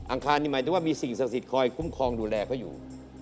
อาคารนี่หมายถึงว่ามีสิ่งศักดิ์สิทธิ์คอยคุ้มครองดูแลเขาอยู่